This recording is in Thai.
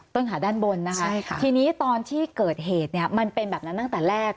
ขาด้านบนนะคะทีนี้ตอนที่เกิดเหตุเนี่ยมันเป็นแบบนั้นตั้งแต่แรก